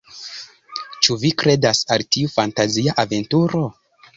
Ĉu vi kredas al tiu fantazia aventuro?